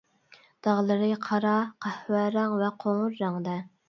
داغلىرى قارا، قەھۋە رەڭ ۋە قوڭۇر رەڭدە.